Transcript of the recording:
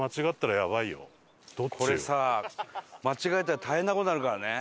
これさ間違えたら大変な事になるからね。